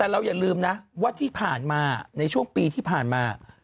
แต่เราอย่าลืมนะว่าที่ผ่านมาในช่วงปีที่ผ่านมา